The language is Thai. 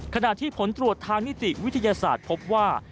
ขณะที่ผลตรวจทางนิติวิทยาศาสตร์พบว่า